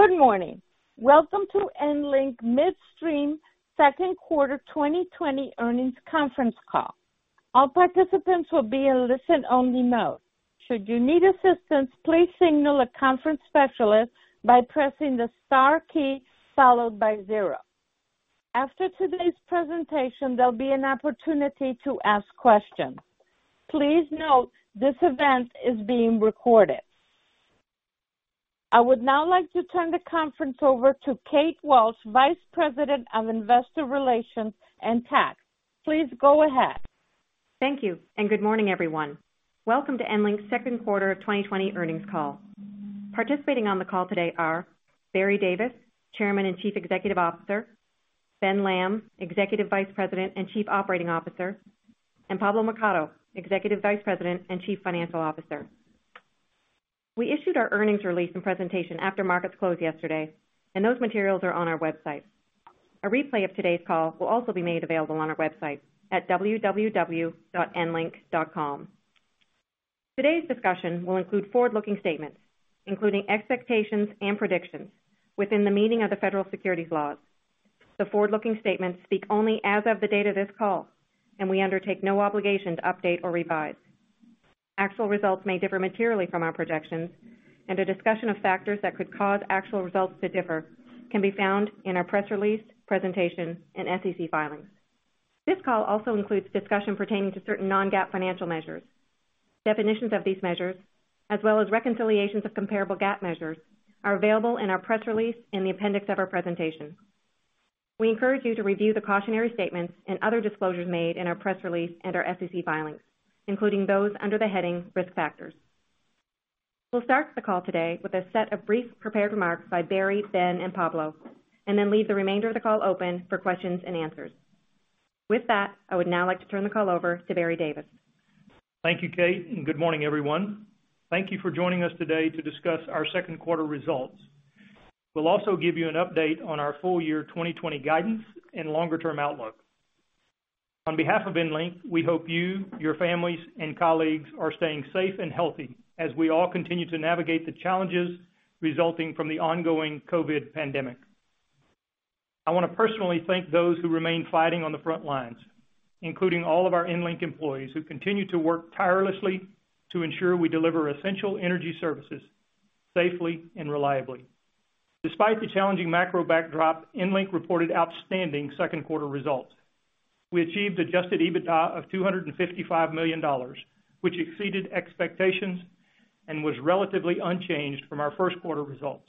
Good morning. Welcome to EnLink Midstream second quarter 2020 earnings conference call. All participants will be in listen only mode. Should you need assistance, please signal a conference specialist by pressing the star key followed by zero. After today's presentation, there'll be an opportunity to ask questions. Please note this event is being recorded. I would now like to turn the conference over to Kate Walsh, Vice President of Investor Relations and Tax. Please go ahead. Thank you, and good morning, everyone. Welcome to EnLink's second quarter 2020 earnings call. Participating on the call today are Barry Davis, Chairman and Chief Executive Officer, Ben Lamb, Executive Vice President and Chief Operating Officer, and Pablo Mercado, Executive Vice President and Chief Financial Officer. We issued our earnings release and presentation after markets closed yesterday, and those materials are on our website. A replay of today's call will also be made available on our website at www.enlink.com. Today's discussion will include forward-looking statements, including expectations and predictions within the meaning of the federal securities laws. The forward-looking statements speak only as of the date of this call, and we undertake no obligation to update or revise. Actual results may differ materially from our projections, and a discussion of factors that could cause actual results to differ can be found in our press release, presentation, and SEC filings. This call also includes discussion pertaining to certain non-GAAP financial measures. Definitions of these measures, as well as reconciliations of comparable GAAP measures, are available in our press release in the appendix of our presentation. We encourage you to review the cautionary statements and other disclosures made in our press release and our SEC filings, including those under the heading Risk Factors. We'll start the call today with a set of brief prepared remarks by Barry, Ben, and Pablo, and then leave the remainder of the call open for questions and answers. With that, I would now like to turn the call over to Barry Davis. Thank you, Kate. Good morning, everyone. Thank you for joining us today to discuss our second quarter results. We'll also give you an update on our full year 2020 guidance and longer-term outlook. On behalf of EnLink, we hope you, your families, and colleagues are staying safe and healthy as we all continue to navigate the challenges resulting from the ongoing COVID pandemic. I want to personally thank those who remain fighting on the front lines, including all of our EnLink employees, who continue to work tirelessly to ensure we deliver essential energy services safely and reliably. Despite the challenging macro backdrop, EnLink reported outstanding second quarter results. We achieved adjusted EBITDA of $255 million, which exceeded expectations and was relatively unchanged from our first quarter results.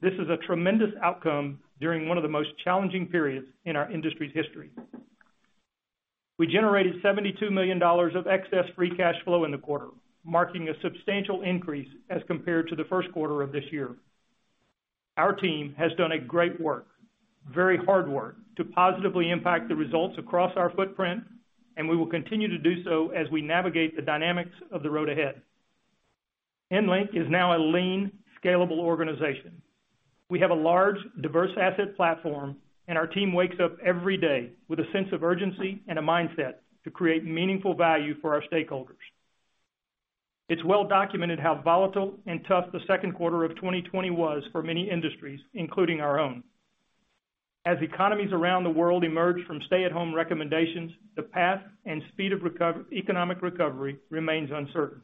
This is a tremendous outcome during one of the most challenging periods in our industry's history. We generated $72 million of excess free cash flow in the quarter, marking a substantial increase as compared to the first quarter of this year. Our team has done a great work, very hard work, to positively impact the results across our footprint, and we will continue to do so as we navigate the dynamics of the road ahead. EnLink is now a lean, scalable organization. We have a large, diverse asset platform, and our team wakes up every day with a sense of urgency and a mindset to create meaningful value for our stakeholders. It's well documented how volatile and tough the second quarter of 2020 was for many industries, including our own. As economies around the world emerge from stay-at-home recommendations, the path and speed of economic recovery remains uncertain.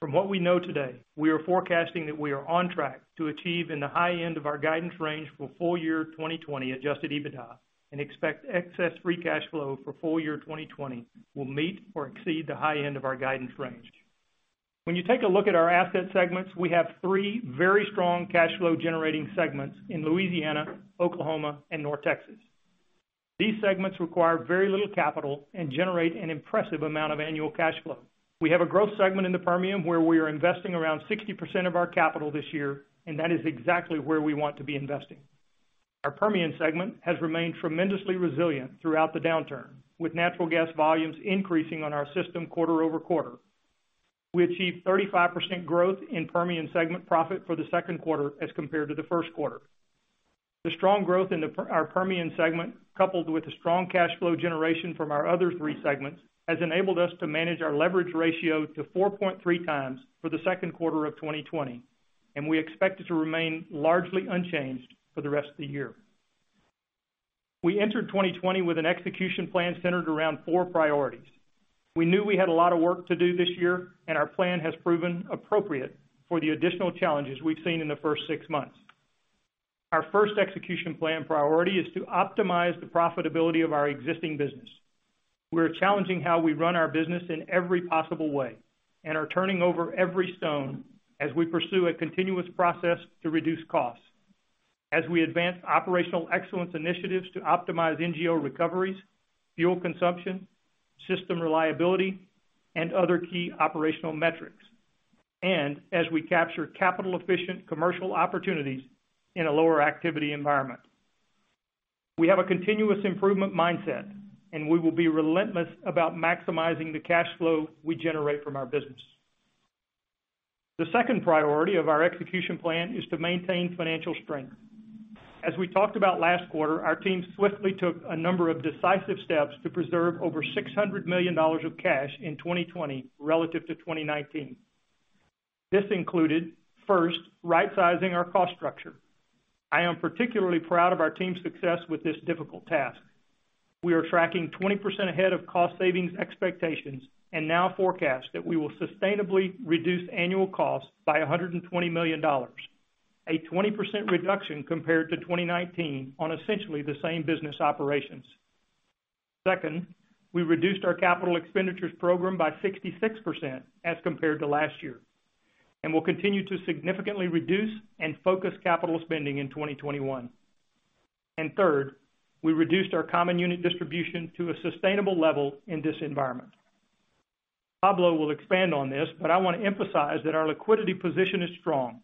From what we know today, we are forecasting that we are on track to achieve in the high end of our guidance range for full year 2020 adjusted EBITDA and expect excess free cash flow for full year 2020 will meet or exceed the high end of our guidance range. When you take a look at our asset segments, we have three very strong cash flow generating segments in Louisiana, Oklahoma, and North Texas. These segments require very little capital and generate an impressive amount of annual cash flow. We have a growth segment in the Permian where we are investing around 60% of our capital this year. That is exactly where we want to be investing. Our Permian segment has remained tremendously resilient throughout the downturn, with natural gas volumes increasing on our system quarter-over-quarter. We achieved 35% growth in Permian segment profit for the second quarter as compared to the first quarter. The strong growth in our Permian segment, coupled with the strong cash flow generation from our other three segments, has enabled us to manage our leverage ratio to 4.3x for the second quarter of 2020, and we expect it to remain largely unchanged for the rest of the year. We entered 2020 with an execution plan centered around four priorities. We knew we had a lot of work to do this year, and our plan has proven appropriate for the additional challenges we've seen in the first six months. Our first execution plan priority is to optimize the profitability of our existing business. We are challenging how we run our business in every possible way and are turning over every stone as we pursue a continuous process to reduce costs. As we advance operational excellence initiatives to optimize NGL recoveries, fuel consumption, system reliability, and other key operational metrics. As we capture capital-efficient commercial opportunities in a lower activity environment. We have a continuous improvement mindset, and we will be relentless about maximizing the cash flow we generate from our business. The second priority of our execution plan is to maintain financial strength. As we talked about last quarter, our team swiftly took a number of decisive steps to preserve over $600 million of cash in 2020 relative to 2019. This included, first, right-sizing our cost structure. I am particularly proud of our team's success with this difficult task. We are tracking 20% ahead of cost savings expectations and now forecast that we will sustainably reduce annual costs by $120 million, a 20% reduction compared to 2019 on essentially the same business operations. Second, we reduced our capital expenditures program by 66% as compared to last year, and will continue to significantly reduce and focus capital spending in 2021. Third, we reduced our common unit distribution to a sustainable level in this environment. Pablo will expand on this, but I want to emphasize that our liquidity position is strong,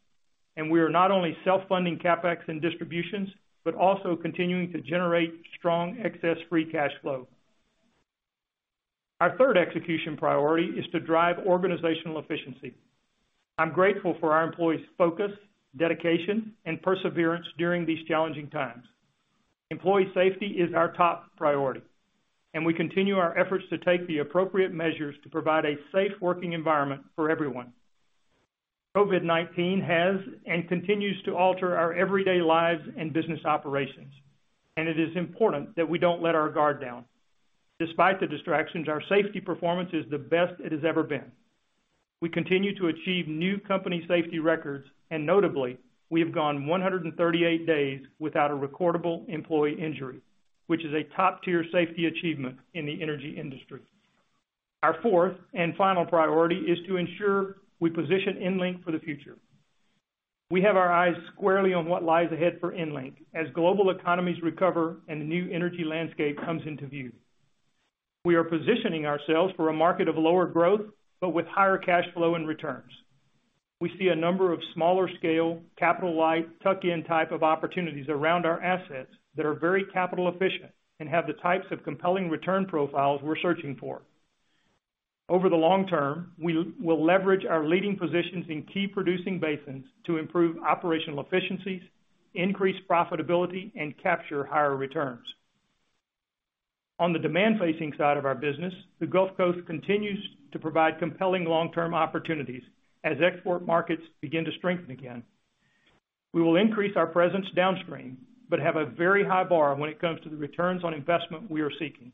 and we are not only self-funding CapEx and distributions, but also continuing to generate strong excess free cash flow. Our third execution priority is to drive organizational efficiency. I'm grateful for our employees' focus, dedication, and perseverance during these challenging times. Employee safety is our top priority, and we continue our efforts to take the appropriate measures to provide a safe working environment for everyone. COVID-19 has and continues to alter our everyday lives and business operations, and it is important that we don't let our guard down. Despite the distractions, our safety performance is the best it has ever been. We continue to achieve new company safety records, and notably, we have gone 138 days without a recordable employee injury, which is a top-tier safety achievement in the energy industry. Our fourth and final priority is to ensure we position EnLink for the future. We have our eyes squarely on what lies ahead for EnLink as global economies recover and the new energy landscape comes into view. We are positioning ourselves for a market of lower growth, but with higher cash flow and returns. We see a number of smaller scale, capital-light, tuck-in type of opportunities around our assets that are very capital efficient and have the types of compelling return profiles we're searching for. Over the long term, we will leverage our leading positions in key producing basins to improve operational efficiencies, increase profitability, and capture higher returns. On the demand-facing side of our business, the Gulf Coast continues to provide compelling long-term opportunities as export markets begin to strengthen again. We will increase our presence downstream, but have a very high bar when it comes to the returns on investment we are seeking.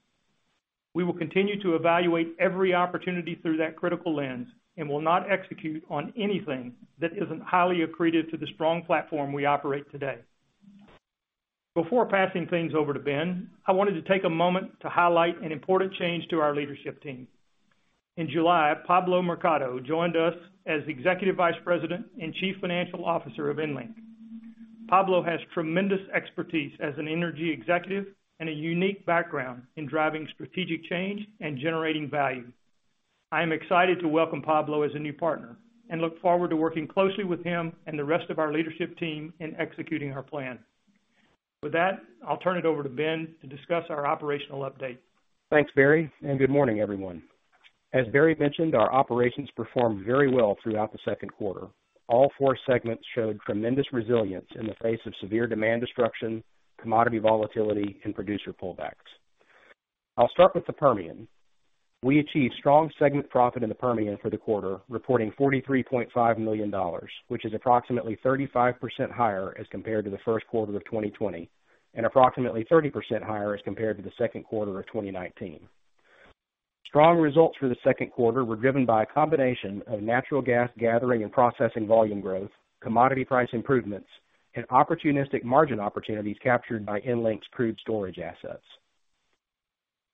We will continue to evaluate every opportunity through that critical lens and will not execute on anything that isn't highly accretive to the strong platform we operate today. Before passing things over to Ben, I wanted to take a moment to highlight an important change to our leadership team. In July, Pablo Mercado joined us as Executive Vice President and Chief Financial Officer of EnLink. Pablo has tremendous expertise as an energy executive and a unique background in driving strategic change and generating value. I am excited to welcome Pablo as a new partner, and look forward to working closely with him and the rest of our leadership team in executing our plan. With that, I'll turn it over to Ben to discuss our operational update. Thanks, Barry, good morning, everyone. As Barry mentioned, our operations performed very well throughout the second quarter. All four segments showed tremendous resilience in the face of severe demand destruction, commodity volatility, and producer pullbacks. I'll start with the Permian. We achieved strong segment profit in the Permian for the quarter, reporting $43.5 million, which is approximately 35% higher as compared to the first quarter of 2020, and approximately 30% higher as compared to the second quarter of 2019. Strong results for the second quarter were driven by a combination of natural gas gathering and processing volume growth, commodity price improvements, and opportunistic margin opportunities captured by EnLink's crude storage assets.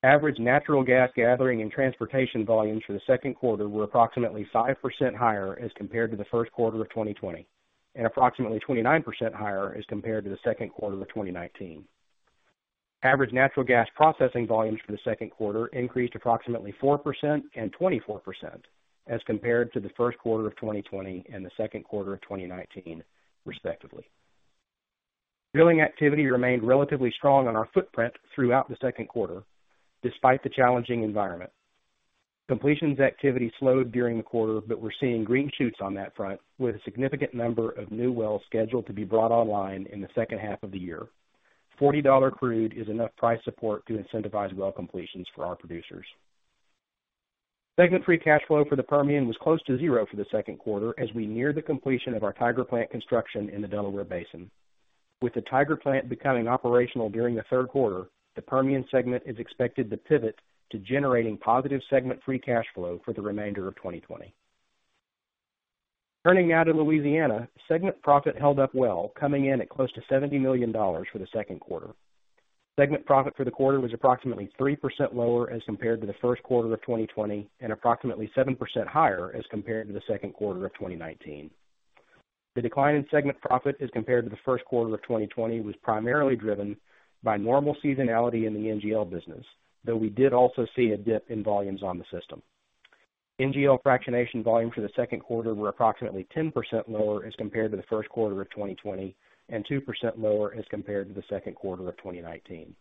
Average natural gas gathering and transportation volumes for the second quarter were approximately 5% higher as compared to the first quarter of 2020, and approximately 29% higher as compared to the second quarter of 2019. Average natural gas processing volumes for the second quarter increased approximately 4% and 24% as compared to the first quarter of 2020 and the second quarter of 2019, respectively. Drilling activity remained relatively strong on our footprint throughout the second quarter, despite the challenging environment. Completions activity slowed during the quarter, but we're seeing green shoots on that front, with a significant number of new wells scheduled to be brought online in the second half of the year. $40 crude is enough price support to incentivize well completions for our producers. Segment free cash flow for the Permian was close to zero for the second quarter as we near the completion of our Tiger Plant construction in the Delaware Basin. With the Tiger Plant becoming operational during the third quarter, the Permian segment is expected to pivot to generating positive segment free cash flow for the remainder of 2020. Turning now to Louisiana, segment profit held up well, coming in at close to $70 million for the second quarter. Segment profit for the quarter was approximately 3% lower as compared to the first quarter of 2020, and approximately 7% higher as compared to the second quarter of 2019. The decline in segment profit as compared to the first quarter of 2020 was primarily driven by normal seasonality in the NGL business, though we did also see a dip in volumes on the system. NGL fractionation volumes for the second quarter were approximately 10% lower as compared to the first quarter of 2020, and 2% lower as compared to the second quarter of 2019.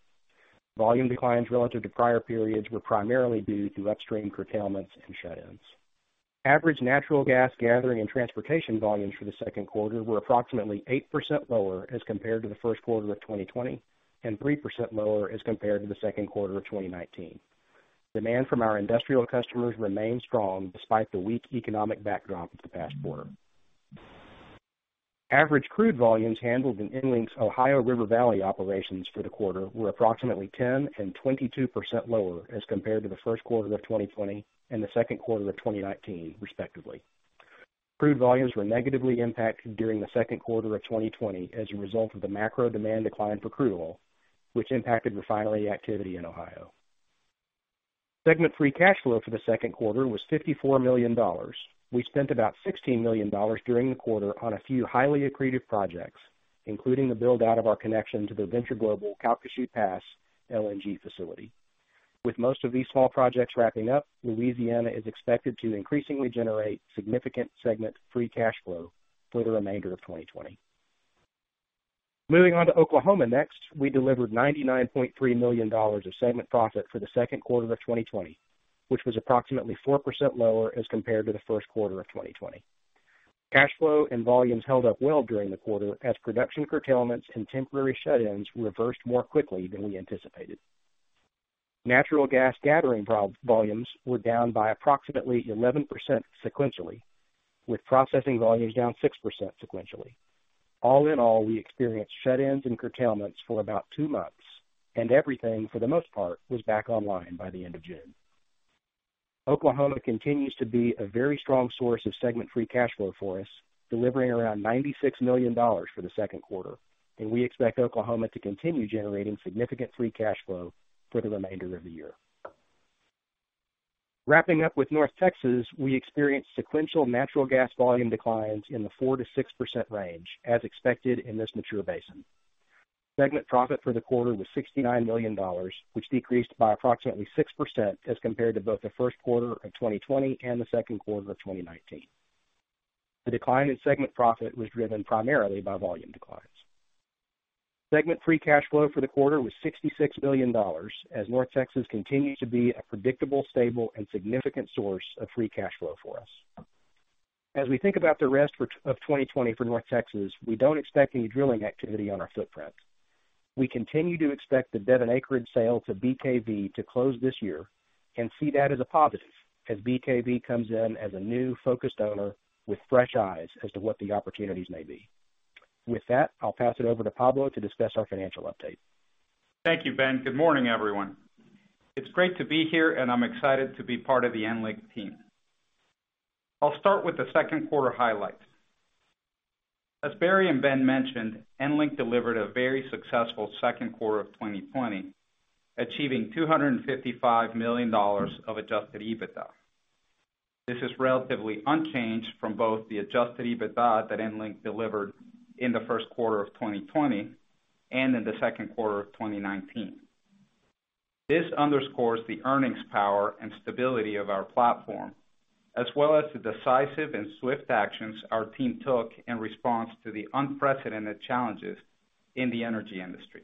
Volume declines relative to prior periods were primarily due to upstream curtailments and shut-ins. Average natural gas gathering and transportation volumes for the second quarter were approximately 8% lower as compared to the first quarter of 2020, and 3% lower as compared to the second quarter of 2019. Demand from our industrial customers remained strong despite the weak economic backdrop of the past quarter. Average crude volumes handled in EnLink's Ohio River Valley operations for the quarter were approximately 10% and 22% lower as compared to the first quarter of 2020 and the second quarter of 2019, respectively. Crude volumes were negatively impacted during the second quarter of 2020 as a result of the macro demand decline for crude oil, which impacted refinery activity in Ohio. Segment free cash flow for the second quarter was $54 million. We spent about $16 million during the quarter on a few highly accretive projects, including the build-out of our connection to the Venture Global Calcasieu Pass LNG facility. With most of these small projects wrapping up, Louisiana is expected to increasingly generate significant segment free cash flow for the remainder of 2020. Moving on to Oklahoma next, we delivered $99.3 million of segment profit for the second quarter of 2020, which was approximately 4% lower as compared to the first quarter of 2020. Cash flow and volumes held up well during the quarter as production curtailments and temporary shut-ins reversed more quickly than we anticipated. Natural gas gathering volumes were down by approximately 11% sequentially, with processing volumes down 6% sequentially. All in all, we experienced shut-ins and curtailments for about two months, and everything, for the most part, was back online by the end of June. Oklahoma continues to be a very strong source of segment free cash flow for us, delivering around $96 million for the second quarter. We expect Oklahoma to continue generating significant free cash flow for the remainder of the year. Wrapping up with North Texas, we experienced sequential natural gas volume declines in the 4%-6% range, as expected in this mature basin. Segment profit for the quarter was $69 million, which decreased by approximately 6% as compared to both the first quarter of 2020 and the second quarter of 2019. The decline in segment profit was driven primarily by volume declines. Segment free cash flow for the quarter was $66 million, as North Texas continues to be a predictable, stable, and significant source of free cash flow for us. As we think about the rest of 2020 for North Texas, we don't expect any drilling activity on our footprint. We continue to expect the Devon acreage sale to BKV to close this year and see that as a positive, as BKV comes in as a new focused owner with fresh eyes as to what the opportunities may be. With that, I'll pass it over to Pablo to discuss our financial update. Thank you, Ben. Good morning, everyone. It's great to be here, and I'm excited to be part of the EnLink team. I'll start with the second quarter highlights. As Barry and Ben mentioned, EnLink delivered a very successful second quarter of 2020, achieving $255 million of adjusted EBITDA. This is relatively unchanged from both the adjusted EBITDA that EnLink delivered in the first quarter of 2020 and in the second quarter of 2019. This underscores the earnings power and stability of our platform, as well as the decisive and swift actions our team took in response to the unprecedented challenges in the energy industry.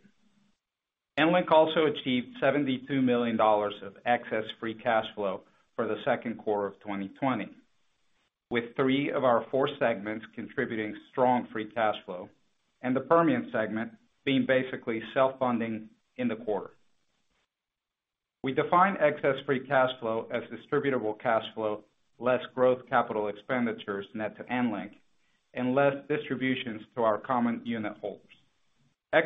EnLink also achieved $72 million of excess free cash flow for the second quarter of 2020, with three of our four segments contributing strong free cash flow, and the Permian segment being basically self-funding in the quarter. We define excess free cash flow as distributable cash flow, less growth capital expenditures net to EnLink, and less distributions to our common unit holders. We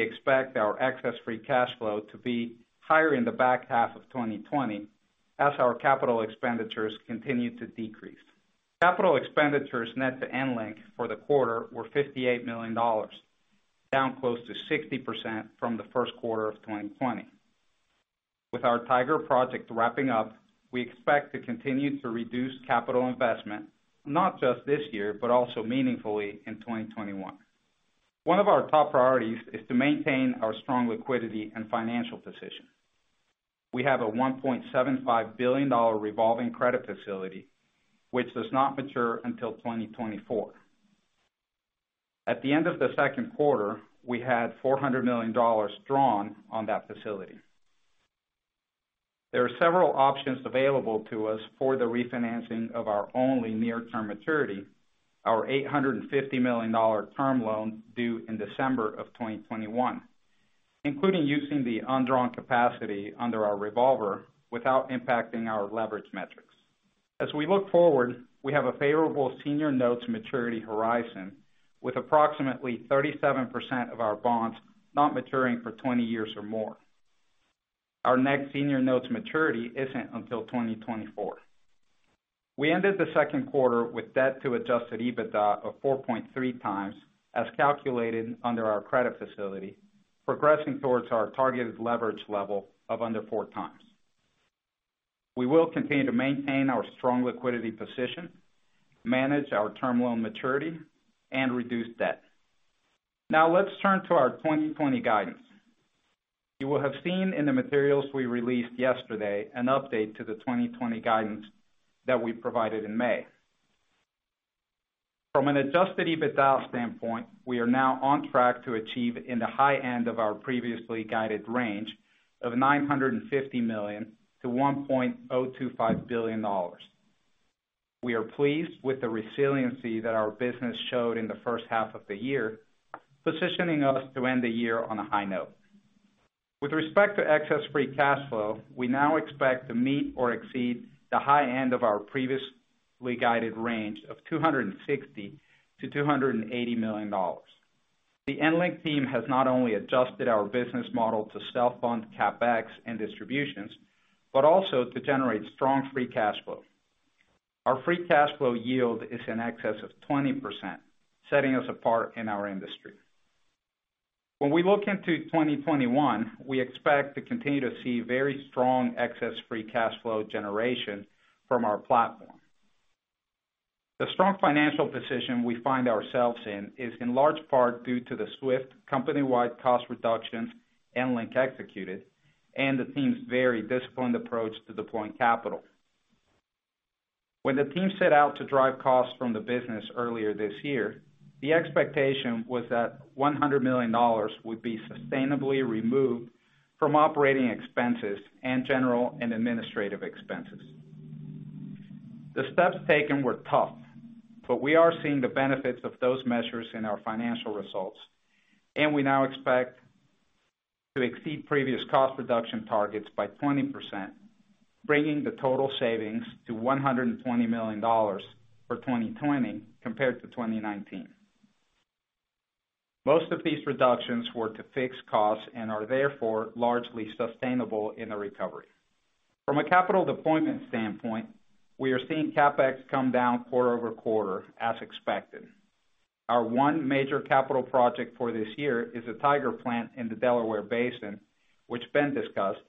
expect our excess free cash flow to be higher in the back half of 2020 as our capital expenditures continue to decrease. Capital expenditures net to EnLink for the quarter were $58 million, down close to 60% from the first quarter of 2020. With our Tiger project wrapping up, we expect to continue to reduce capital investment, not just this year, but also meaningfully in 2021. One of our top priorities is to maintain our strong liquidity and financial position. We have a $1.75 billion revolving credit facility, which does not mature until 2024. At the end of the second quarter, we had $400 million drawn on that facility. There are several options available to us for the refinancing of our only near-term maturity, our $850 million term loan due in December of 2021, including using the undrawn capacity under our revolver without impacting our leverage metrics. As we look forward, we have a favorable senior notes maturity horizon, with approximately 37% of our bonds not maturing for 20 years or more. Our next senior notes maturity isn't until 2024. We ended the second quarter with debt to adjusted EBITDA of 4.3x, as calculated under our credit facility, progressing towards our targeted leverage level of under 4x. We will continue to maintain our strong liquidity position, manage our term loan maturity, and reduce debt. Now let's turn to our 2020 guidance. You will have seen in the materials we released yesterday an update to the 2020 guidance that we provided in May. From an adjusted EBITDA standpoint, we are now on track to achieve in the high end of our previously guided range of $950 million-$1.025 billion. We are pleased with the resiliency that our business showed in the first half of the year, positioning us to end the year on a high note. With respect to excess free cash flow, we now expect to meet or exceed the high end of our previously guided range of $260 million-$280 million. The EnLink team has not only adjusted our business model to self-fund CapEx and distributions, but also to generate strong free cash flow. Our free cash flow yield is in excess of 20%, setting us apart in our industry. When we look into 2021, we expect to continue to see very strong excess free cash flow generation from our platform. The strong financial position we find ourselves in is in large part due to the swift company-wide cost reductions EnLink executed and the team's very disciplined approach to deploying capital. When the team set out to drive costs from the business earlier this year, the expectation was that $100 million would be sustainably removed from operating expenses and general and administrative expenses. The steps taken were tough, but we are seeing the benefits of those measures in our financial results, and we now expect to exceed previous cost reduction targets by 20%, bringing the total savings to $120 million for 2020 compared to 2019. Most of these reductions were to fix costs and are therefore largely sustainable in a recovery. From a capital deployment standpoint, we are seeing CapEx come down quarter-over-quarter as expected. Our one major capital project for this year is a Tiger Plant in the Delaware Basin, which Ben discussed,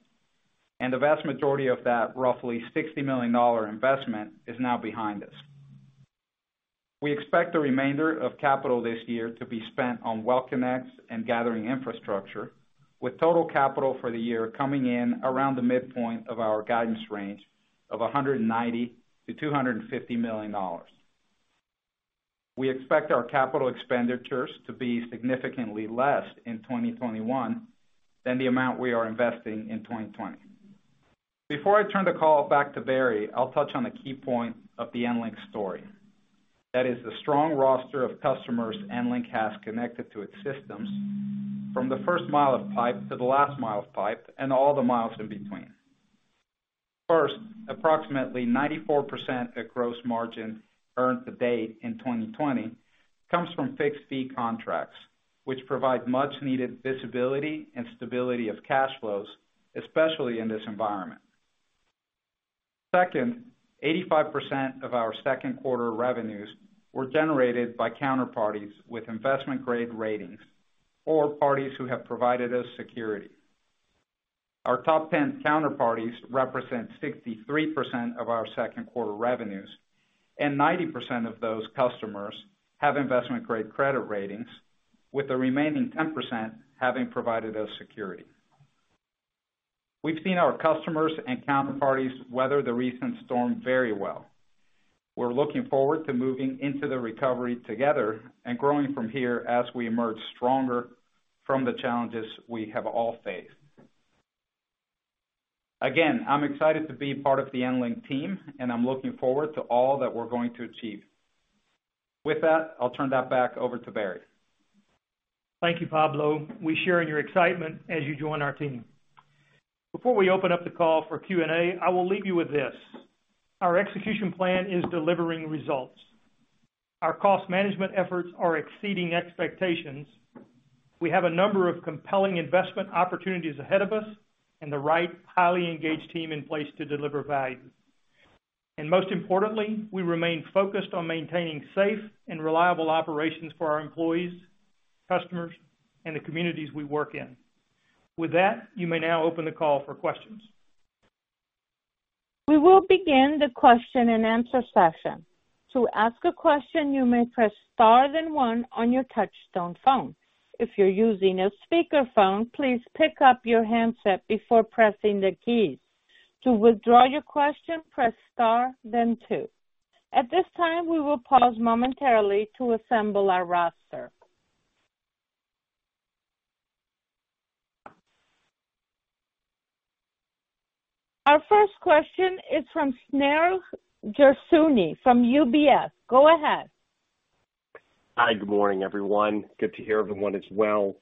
and the vast majority of that roughly $60 million investment is now behind us. We expect the remainder of capital this year to be spent on well connect and gathering infrastructure, with total capital for the year coming in around the midpoint of our guidance range of $190 million-$250 million. We expect our capital expenditures to be significantly less in 2021 than the amount we are investing in 2020. Before I turn the call back to Barry, I'll touch on a key point of the EnLink story. That is the strong roster of customers EnLink has connected to its systems from the first mile of pipe to the last mile of pipe, and all the miles in between. First, approximately 94% of gross margin earned to date in 2020 comes from fixed-fee contracts, which provide much needed visibility and stability of cash flows, especially in this environment. Second, 85% of our second quarter revenues were generated by counterparties with investment-grade ratings or parties who have provided us security. Our top 10 counterparties represent 63% of our second quarter revenues, 90% of those customers have investment-grade credit ratings, with the remaining 10% having provided us security. We've seen our customers and counterparties weather the recent storm very well. We're looking forward to moving into the recovery together and growing from here as we emerge stronger from the challenges we have all faced. Again, I'm excited to be part of the EnLink team, and I'm looking forward to all that we're going to achieve. With that, I'll turn that back over to Barry. Thank you, Pablo. We share in your excitement as you join our team. Before we open up the call for Q&A, I will leave you with this. Our execution plan is delivering results. Our cost management efforts are exceeding expectations. We have a number of compelling investment opportunities ahead of us and the right, highly engaged team in place to deliver value. Most importantly, we remain focused on maintaining safe and reliable operations for our employees, customers, and the communities we work in. With that, you may now open the call for questions. We will begin the question and answer session. To ask a question, you may press star then one on your touchtone phone. If you're using a speakerphone, please pick up your handset before pressing the keys. To withdraw your question, press star then two. At this time, we will pause momentarily to assemble our roster. Our first question is from Shneur Gershuni from UBS. Go ahead. Hi. Good morning, everyone. Good to hear everyone is well.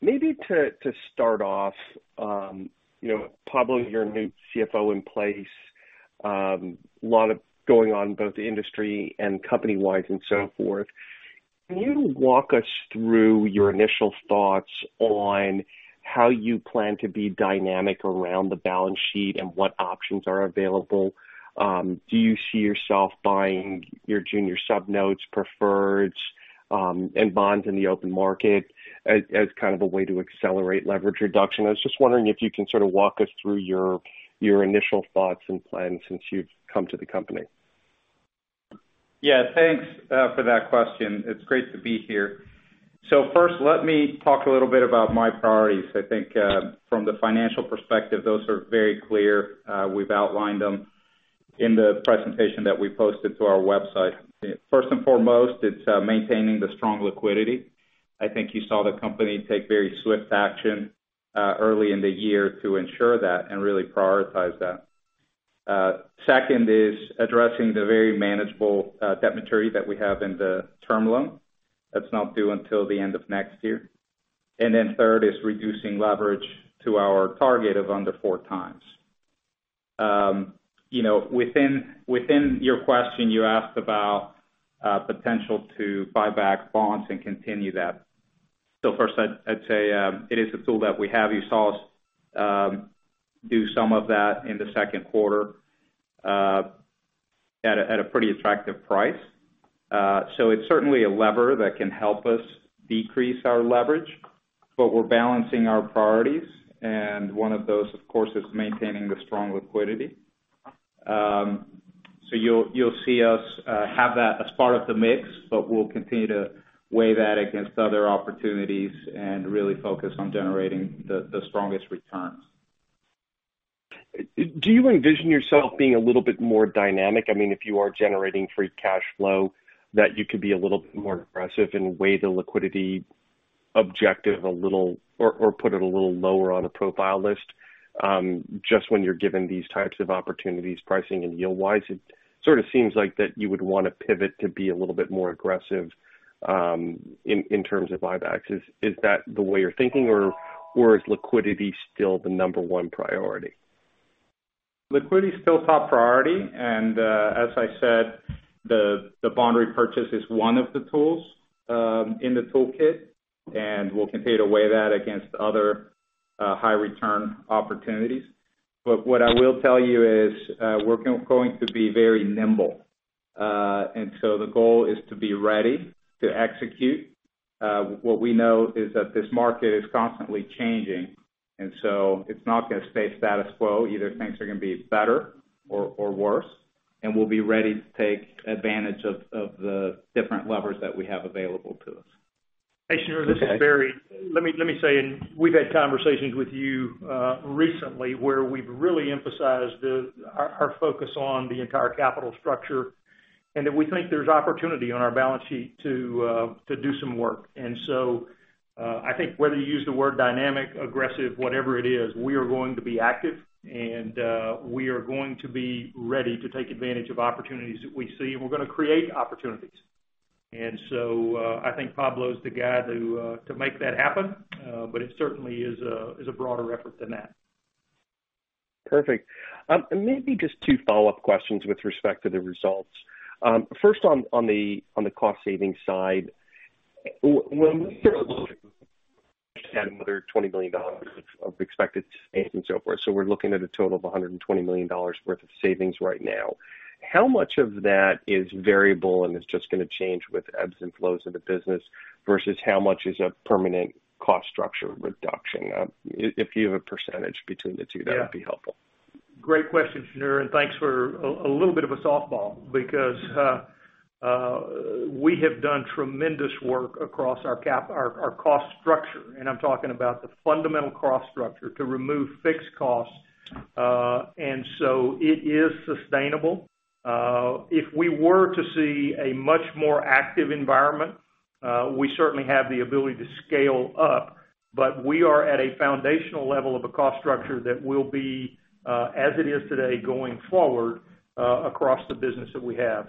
Maybe to start off, Pablo, you're a new CFO in place. A lot going on both industry and company-wise and so forth. Can you walk us through your initial thoughts on how you plan to be dynamic around the balance sheet and what options are available? Do you see yourself buying your junior sub-notes, preferreds, and bonds in the open market as kind of a way to accelerate leverage reduction? I was just wondering if you can sort of walk us through your initial thoughts and plans since you've come to the company. Yeah. Thanks for that question. It's great to be here. First, let me talk a little bit about my priorities. I think from the financial perspective, those are very clear. We've outlined them in the presentation that we posted to our website. First and foremost, it's maintaining the strong liquidity. I think you saw the company take very swift action early in the year to ensure that and really prioritize that. Second is addressing the very manageable debt maturity that we have in the term loan. That's not due until the end of next year. Third is reducing leverage to our target of under 4x. Within your question, you asked about potential to buy back bonds and continue that. First, I'd say it is a tool that we have. You saw us do some of that in the second quarter at a pretty attractive price. It's certainly a lever that can help us decrease our leverage, but we're balancing our priorities, and one of those, of course, is maintaining the strong liquidity. You'll see us have that as part of the mix, but we'll continue to weigh that against other opportunities and really focus on generating the strongest returns. Do you envision yourself being a little bit more dynamic? If you are generating free cash flow, that you could be a little bit more aggressive and weigh the liquidity objective a little, or put it a little lower on a profile list? Just when you're given these types of opportunities, pricing and yield wise, it sort of seems like that you would want to pivot to be a little bit more aggressive in terms of buybacks. Is that the way you're thinking or is liquidity still the number one priority? Liquidity is still top priority. As I said, the bond repurchase is one of the tools in the toolkit, and we'll continue to weigh that against other high return opportunities. What I will tell you is we're going to be very nimble. The goal is to be ready to execute. What we know is that this market is constantly changing, and so it's not going to stay status quo. Either things are going to be better or worse, and we'll be ready to take advantage of the different levers that we have available to us. Hey, Shneur, this is Barry. Let me say, we've had conversations with you recently where we've really emphasized our focus on the entire capital structure, and that we think there's opportunity on our balance sheet to do some work. I think whether you use the word dynamic, aggressive, whatever it is, we are going to be active and we are going to be ready to take advantage of opportunities that we see, and we're going to create opportunities. I think Pablo is the guy to make that happen. It certainly is a broader effort than that. Perfect. Maybe just two follow-up questions with respect to the results. First on the cost savings side. When another $20 million of expected savings so forth. We're looking at a total of $120 million worth of savings right now. How much of that is variable and is just going to change with ebbs and flows of the business, versus how much is a permanent cost structure reduction? If you have a percentage between the two, that'd be helpful. Great question, Shneur, thanks for a little bit of a softball. We have done tremendous work across our cost structure. I'm talking about the fundamental cost structure to remove fixed costs. It is sustainable. If we were to see a much more active environment, we certainly have the ability to scale up. We are at a foundational level of a cost structure that will be as it is today, going forward, across the business that we have.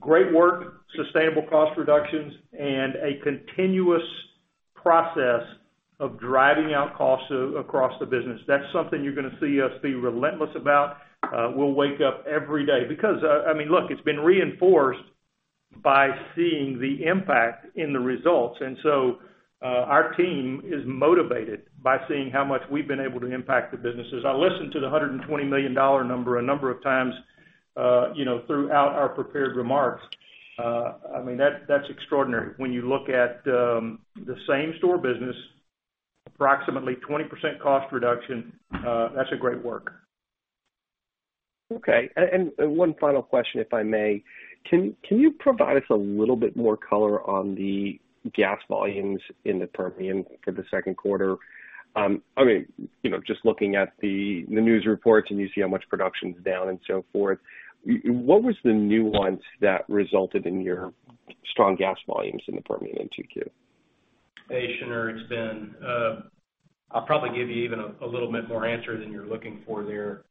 Great work, sustainable cost reductions, a continuous process of driving out costs across the business. That's something you're going to see us be relentless about. We'll wake up every day. Look, it's been reinforced by seeing the impact in the results. Our team is motivated by seeing how much we've been able to impact the businesses. I listened to the $120 million number a number of times throughout our prepared remarks. That's extraordinary. When you look at the same store business, approximately 20% cost reduction. That's a great work. Okay. One final question, if I may. Can you provide us a little bit more color on the gas volumes in the Permian for the second quarter? Just looking at the news reports, you see how much production's down and so forth. What was the nuance that resulted in your strong gas volumes in the Permian in 2Q? Hey, Shneur, it's Ben. I'll probably give you even a little bit more answer than you're looking for there.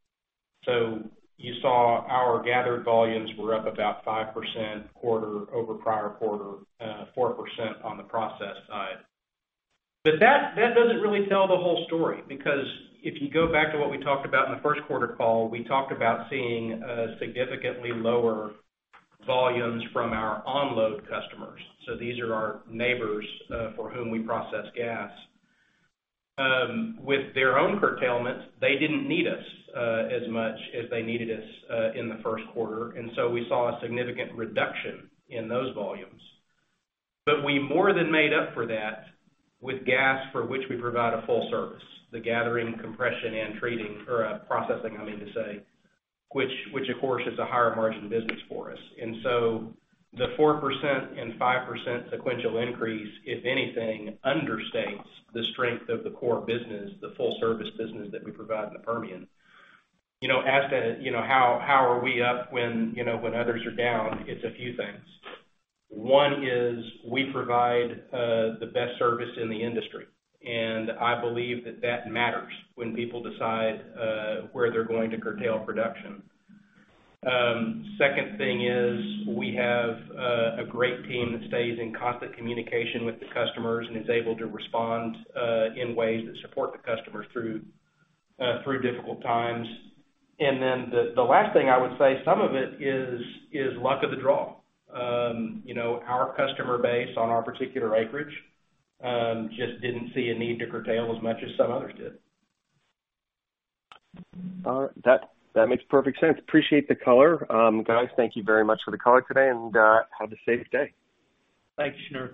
You saw our gathered volumes were up about 5% quarter over prior quarter, 4% on the process side. That doesn't really tell the whole story because if you go back to what we talked about in the first quarter call, we talked about seeing significantly lower volumes from our offload customers. These are our neighbors for whom we process gas. With their own curtailment, they didn't need us as much as they needed us in the first quarter. We saw a significant reduction in those volumes. We more than made up for that with gas for which we provide a full service, the gathering, compression, and treating or processing, I mean to say. Which, of course, is a higher margin business for us. The 4% and 5% sequential increase, if anything, understates the strength of the core business, the full-service business that we provide in the Permian. As to how are we up when others are down, it's a few things. One is we provide the best service in the industry. I believe that matters when people decide where they're going to curtail production. Second thing is we have a great team that stays in constant communication with the customers and is able to respond in ways that support the customers through difficult times. The last thing I would say, some of it is luck of the draw. Our customer base on our particular acreage just didn't see a need to curtail as much as some others did. All right. That makes perfect sense. Appreciate the color. Guys, thank you very much for the color today. Have a safe day. Thanks, Shneur.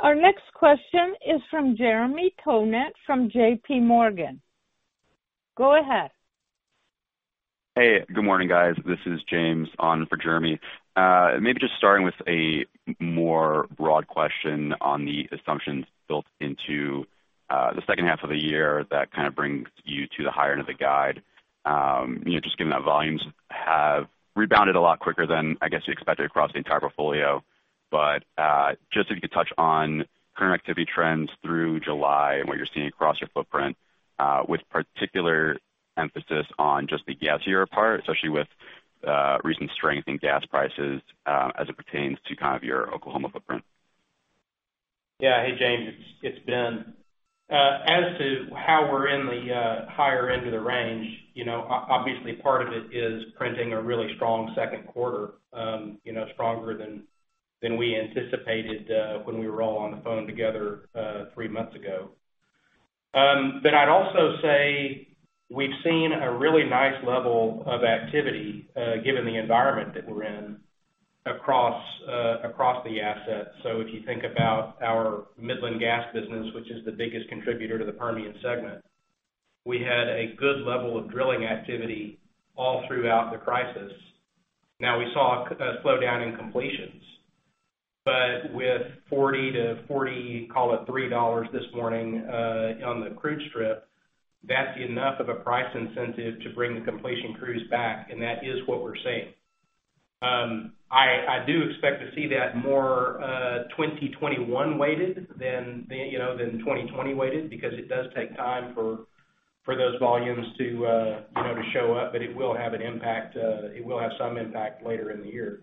Our next question is from Jeremy Tonet from J.P. Morgan. Go ahead. Hey, good morning, guys. This is James on for Jeremy. Just starting with a more broad question on the assumptions built into the second half of the year that kind of brings you to the higher end of the guide. Just given that volumes have rebounded a lot quicker than, I guess, you expected across the entire portfolio. Just if you could touch on current activity trends through July and what you're seeing across your footprint, with particular emphasis on just the gasier part, especially with recent strength in gas prices as it pertains to kind of your Oklahoma footprint. Yeah. Hey, James, it's Ben. As to how we're in the higher end of the range, obviously part of it is printing a really strong second quarter. Stronger than we anticipated when we were all on the phone together three months ago. I'd also say we've seen a really nice level of activity, given the environment that we're in, across the asset. If you think about our Midland gas business, which is the biggest contributor to the Permian segment, we had a good level of drilling activity all throughout the crisis. Now we saw a slowdown in completions, but with $40-$43 this morning on the crude strip, that's enough of a price incentive to bring the completion crews back, and that is what we're seeing. I do expect to see that more 2021 weighted than 2020 weighted, because it does take time for those volumes to show up. It will have some impact later in the year.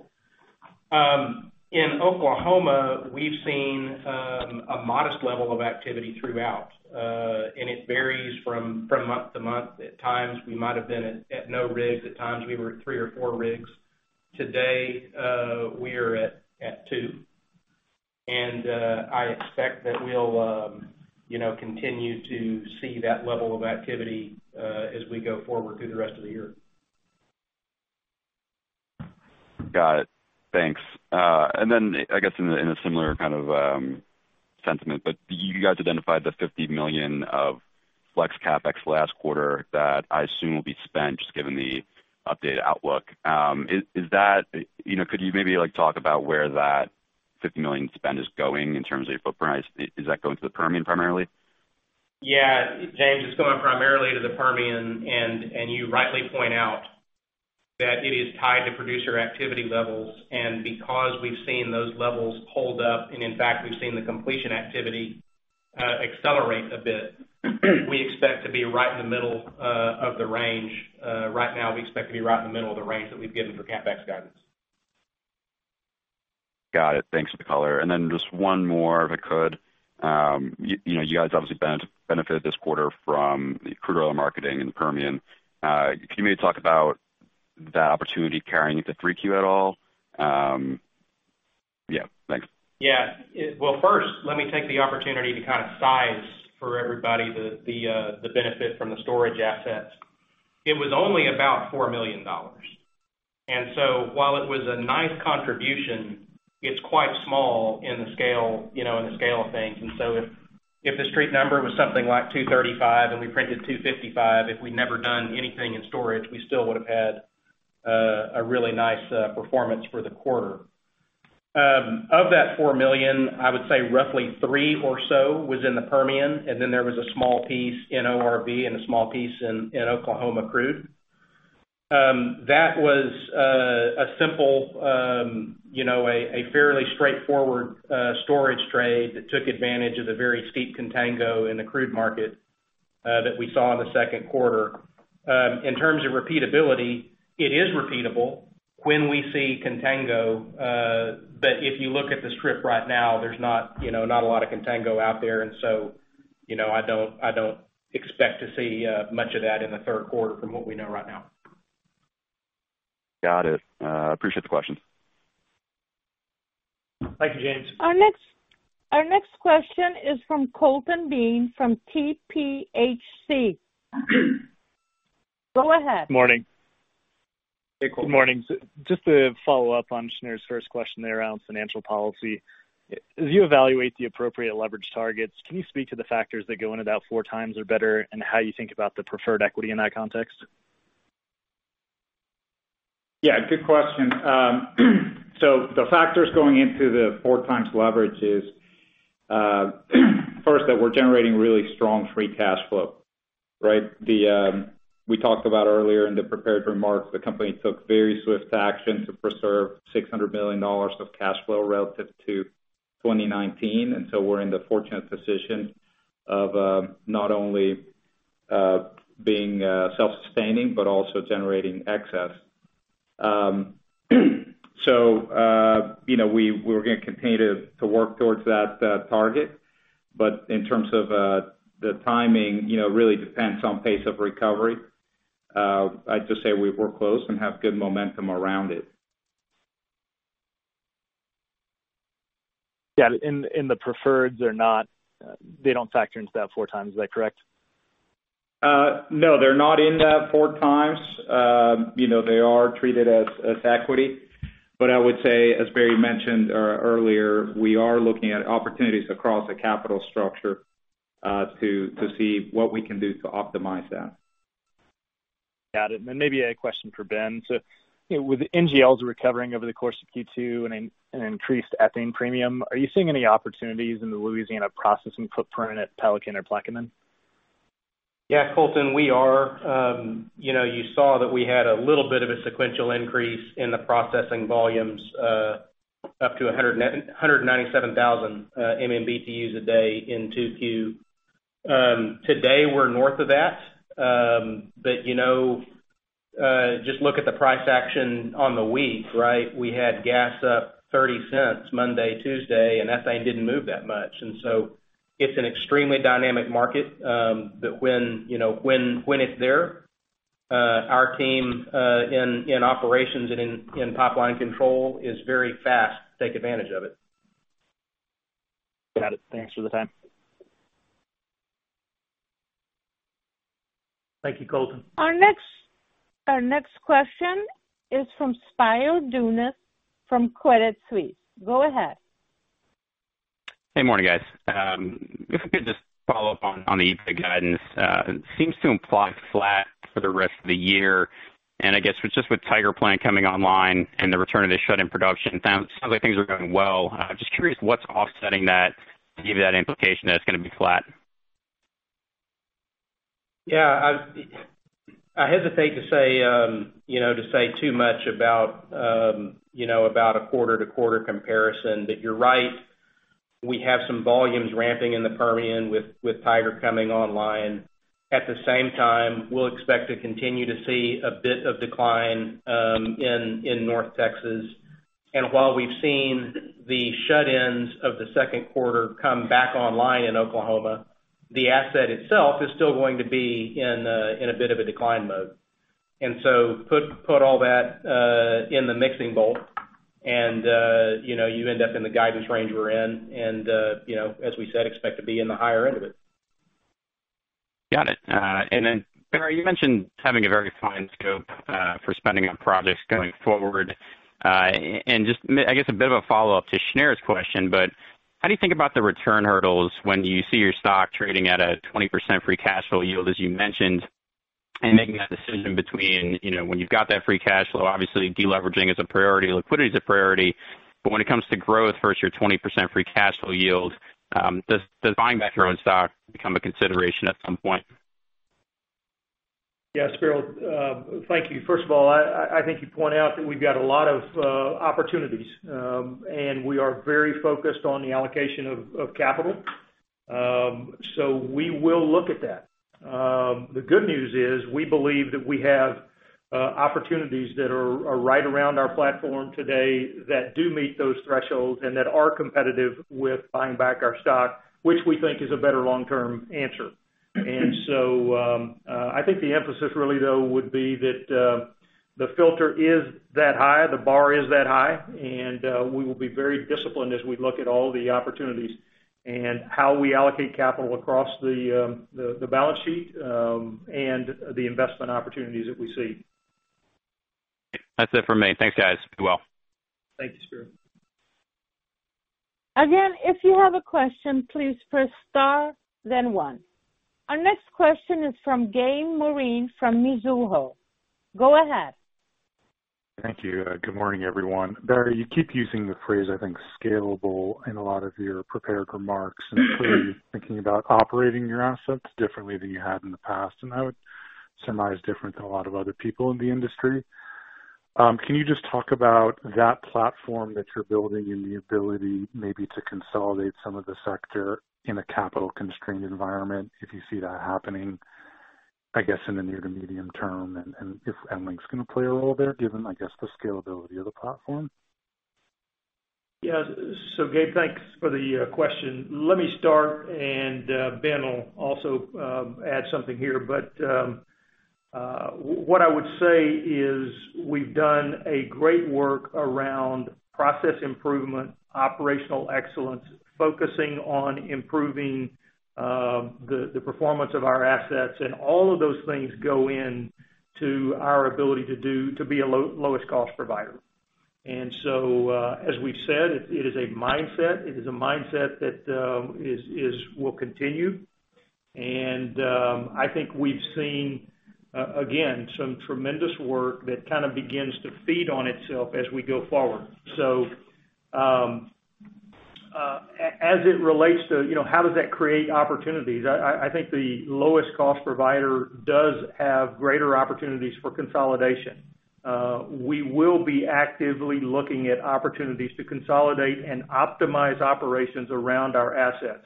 In Oklahoma, we've seen a modest level of activity throughout. It varies from month to month. At times, we might have been at no rigs, at times we were at three or four rigs. Today, we are at two. I expect that we'll continue to see that level of activity as we go forward through the rest of the year. Got it. Thanks. I guess, in a similar kind of sentiment, you guys identified the $50 million of flex CapEx last quarter that I assume will be spent just given the updated outlook. Could you maybe talk about where that $50 million spend is going in terms of your footprint? Is that going to the Permian primarily? Yeah, James, it's going primarily to the Permian, you rightly point out that it is tied to producer activity levels. Because we've seen those levels hold up, and in fact, we've seen the completion activity accelerate a bit, we expect to be right in the middle of the range. Right now, we expect to be right in the middle of the range that we've given for CapEx guidance. Got it. Thanks for the color. Just one more, if I could. You guys obviously benefited this quarter from the crude oil marketing in the Permian. Can you maybe talk about the opportunity carrying into 3Q at all? Yeah, thanks. Well, first, let me take the opportunity to kind of size for everybody the benefit from the storage assets. It was only about $4 million. While it was a nice contribution, it's quite small in the scale of things. If the street number was something like 235 and we printed 255, if we'd never done anything in storage, we still would've had a really nice performance for the quarter. Of that $4 million, I would say roughly $3 or so was in the Permian, and then there was a small piece in ORV and a small piece in Oklahoma crude. That was a fairly straightforward storage trade that took advantage of the very steep contango in the crude market that we saw in the second quarter. In terms of repeatability, it is repeatable when we see contango. If you look at the strip right now, there's not a lot of contango out there. I don't expect to see much of that in the third quarter from what we know right now. Got it. Appreciate the questions. Thank you, James. Our next question is from Colton Bean from TPHC. Go ahead. Morning Good morning. Just to follow up on Shneur's first question there around financial policy. As you evaluate the appropriate leverage targets, can you speak to the factors that go into that 4x or better, and how you think about the preferred equity in that context? Yeah, good question. The factors going into the 4x leverage is first that we're generating really strong free cash flow. Right? We talked about earlier in the prepared remarks, the company took very swift action to preserve $600 million of cash flow relative to 2019, and so we're in the fortunate position of not only being self-sustaining but also generating excess. We're going to continue to work towards that target. In terms of the timing, really depends on pace of recovery. I'd just say we're close and have good momentum around it. Yeah. In the preferreds, they don't factor into that four times, is that correct? No, they're not in that 4x. They are treated as equity. I would say, as Barry mentioned earlier, we are looking at opportunities across the capital structure to see what we can do to optimize that. Got it. Maybe a question for Ben. With NGLs recovering over the course of Q2 and an increased ethane premium, are you seeing any opportunities in the Louisiana processing footprint at Pelican or Plaquemine? Yeah, Colton, we are. You saw that we had a little bit of a sequential increase in the processing volumes up to 197,000 MMBtu a day in 2Q. Today, we're north of that. Just look at the price action on the week, right? We had gas up $0.30 Monday, Tuesday, and ethane didn't move that much. It's an extremely dynamic market, that when it's there, our team in operations and in pipeline control is very fast to take advantage of it. Got it. Thanks for the time. Thank you, Colton. Our next question is from Spiro Dounis from Credit Suisse. Go ahead. Hey, morning, guys. If I could just follow up on the EBITDA guidance. It seems to imply flat for the rest of the year, I guess just with Tiger Plant coming online and the return of the shut-in production, sounds like things are going well. Just curious what's offsetting that to give you that implication that it's going to be flat? Yeah. I hesitate to say too much about a quarter-to-quarter comparison. You're right. We have some volumes ramping in the Permian with Tiger coming online. At the same time, we'll expect to continue to see a bit of decline in North Texas. While we've seen the shut-ins of the second quarter come back online in Oklahoma, the asset itself is still going to be in a bit of a decline mode. Put all that in the mixing bowl and you end up in the guidance range we're in. As we said, expect to be in the higher end of it. Got it. Barry, you mentioned having a very fine scope for spending on projects going forward. Just, I guess a bit of a follow-up to Shneur's question, how do you think about the return hurdles when you see your stock trading at a 20% free cash flow yield, as you mentioned? Making that decision between when you've got that free cash flow, obviously de-leveraging is a priority, liquidity is a priority, when it comes to growth versus your 20% free cash flow yield, does buying back your own stock become a consideration at some point? Yeah, Spiro. Thank you. First of all, I think you point out that we've got a lot of opportunities. We are very focused on the allocation of capital. We will look at that. The good news is we believe that we have opportunities that are right around our platform today that do meet those thresholds and that are competitive with buying back our stock, which we think is a better long-term answer. I think the emphasis really though would be that the filter is that high, the bar is that high, and we will be very disciplined as we look at all the opportunities and how we allocate capital across the balance sheet, and the investment opportunities that we see. That's it for me. Thanks, guys. Be well. Thank you, Spiro. Again, if you have a question, please Press Star, then one. Our next question is from Gabriel Moreen from Mizuho. Go ahead. Thank you. Good morning, everyone. Barry, you keep using the phrase, I think, scalable in a lot of your prepared remarks, including thinking about operating your assets differently than you had in the past. I would surmise different than a lot of other people in the industry. Can you just talk about that platform that you're building and the ability maybe to consolidate some of the sector in a capital-constrained environment, if you see that happening, I guess, in the near to medium term? If EnLink's going to play a role there, given, I guess, the scalability of the platform? Yeah. Gabe, thanks for the question. Let me start. Ben will also add something here. What I would say is we've done a great work around process improvement, operational excellence, focusing on improving the performance of our assets, and all of those things go into our ability to be a lowest cost provider. As we've said, it is a mindset. It is a mindset that will continue. I think we've seen, again, some tremendous work that kind of begins to feed on itself as we go forward. As it relates to how does that create opportunities, I think the lowest cost provider does have greater opportunities for consolidation. We will be actively looking at opportunities to consolidate and optimize operations around our assets.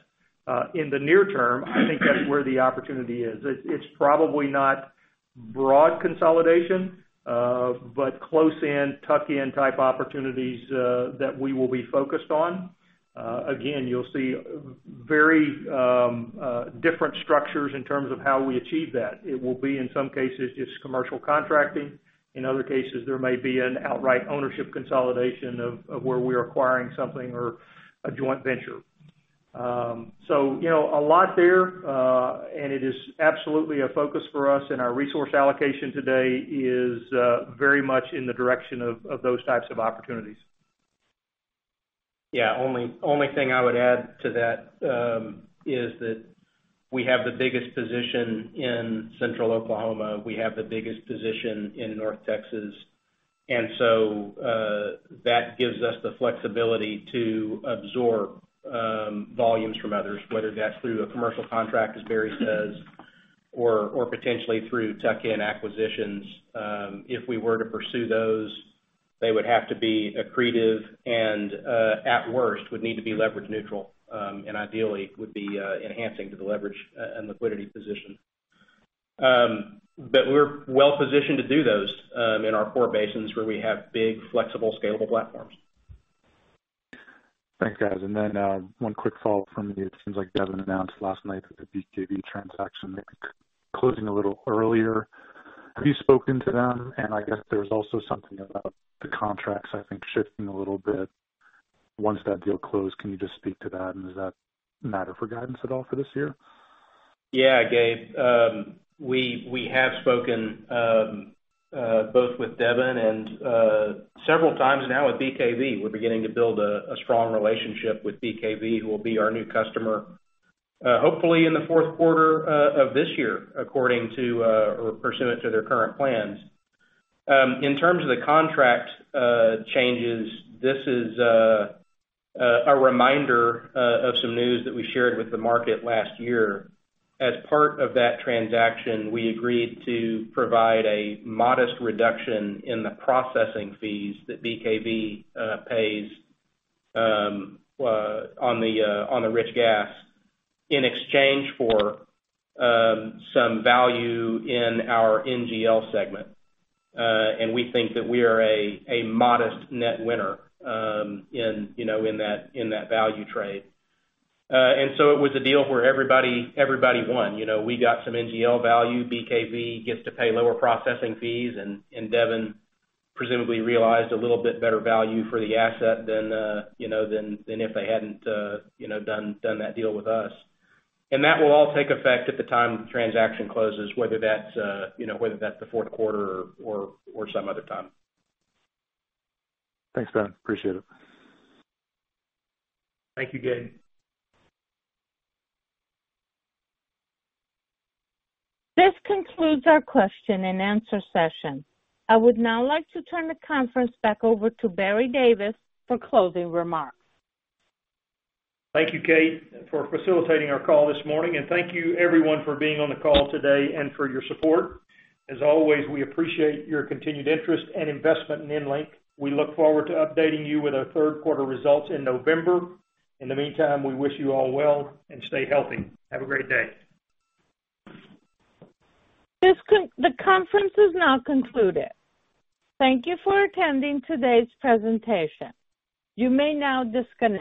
In the near term, I think that's where the opportunity is. It's probably not broad consolidation, but close-in, tuck-in type opportunities that we will be focused on. Again, you'll see very different structures in terms of how we achieve that. It will be, in some cases, just commercial contracting. In other cases, there may be an outright ownership consolidation of where we're acquiring something or a joint venture. A lot there, and it is absolutely a focus for us, and our resource allocation today is very much in the direction of those types of opportunities. Yeah. Only thing I would add to that is that we have the biggest position in Central Oklahoma. We have the biggest position in North Texas. That gives us the flexibility to absorb volumes from others, whether that's through a commercial contract, as Barry says, or potentially through tuck-in acquisitions. If we were to pursue those, they would have to be accretive and, at worst, would need to be leverage neutral, and ideally, would be enhancing to the leverage and liquidity position. We're well-positioned to do those in our core basins where we have big, flexible, scalable platforms. Thanks, guys. One quick follow-up from me. It seems like Devon announced last night that the BKV transaction may be closing a little earlier. Have you spoken to them? I guess there was also something about the contracts, I think, shifting a little bit once that deal closed. Can you just speak to that? Does that matter for guidance at all for this year? Yeah, Gabe. We have spoken both with Devon and several times now with BKV. We're beginning to build a strong relationship with BKV, who will be our new customer, hopefully in the fourth quarter of this year, pursuant to their current plans. In terms of the contract changes, this is a reminder of some news that we shared with the market last year. As part of that transaction, we agreed to provide a modest reduction in the processing fees that BKV pays on the rich gas in exchange for some value in our NGL segment. We think that we are a modest net winner in that value trade. It was a deal where everybody won. We got some NGL value, BKV gets to pay lower processing fees, and Devon presumably realized a little bit better value for the asset than if they hadn't done that deal with us. That will all take effect at the time the transaction closes, whether that's the fourth quarter or some other time. Thanks, Ben. Appreciate it. Thank you, Gabe. This concludes our question-and-answer session. I would now like to turn the conference back over to Barry Davis for closing remarks. Thank you, Kate, for facilitating our call this morning, and thank you everyone for being on the call today and for your support. As always, we appreciate your continued interest and investment in EnLink. We look forward to updating you with our third quarter results in November. In the meantime, we wish you all well, and stay healthy. Have a great day. The conference has now concluded. Thank you for attending today's presentation. You may now disconnect.